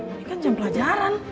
ini kan jam pelajaran